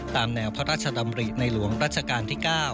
ตามแนวพระราชดำริในหลวงรัชกาลที่๙